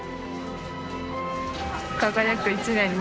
輝く１年に。